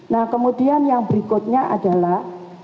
nah kemudian yang berikutnya adalah